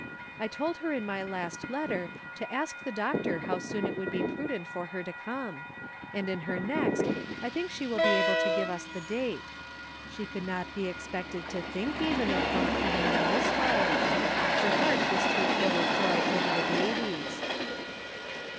I told her in my last letter to ask the doctor how soon it would be prudent for her to come, and in her next I think she will be able to give us the date; she could not be expected to think, even, of home coming in this letter, her heart was too full of joy over the babies."